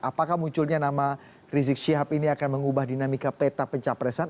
apakah munculnya nama rizik syihab ini akan mengubah dinamika peta pencapresan